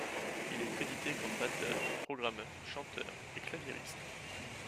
Il est crédité comme batteur, programmeur, chanteur et claviériste.